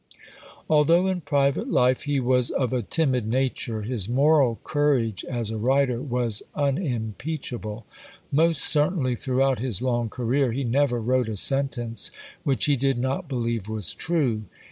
Although in private life he was of a timid nature, his moral courage as a writer was unimpeachable. Most certainly, throughout his long career, he never wrote a sentence which he did not believe was true.